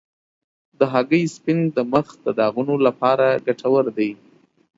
د هګۍ سپین د مخ د داغونو لپاره ګټور دی.